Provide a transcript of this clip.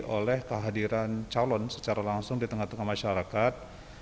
oleh kehadiran calon secara langsung di tengah tengah masyarakat